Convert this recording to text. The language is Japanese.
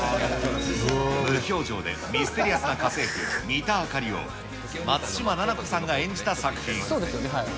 無表情でミステリアスな家政婦、三田灯を松嶋菜々子さんが演じた作品。